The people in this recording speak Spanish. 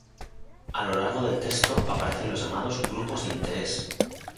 A lo largo del texto aparecen los llamados grupos de interés